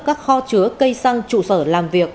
các kho chứa cây xăng trụ sở làm việc